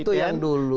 oh itu yang dulu